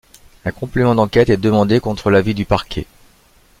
Un complément d’enquête est demandé contre l’avis du parquet.